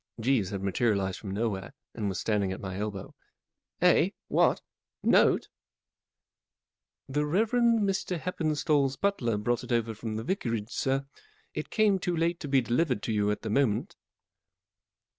Jeeves had materialized from nowhere, and was standing at my elbow. 44 Eh ? What ? Note ?" 44 The Reverend Mr. Heppenstall's butler brought it over from the Vicarage, sir. It came too late to be delivered to you at the moment."